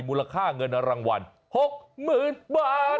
มูลค่าเงินรางวัล๖๐๐๐บาท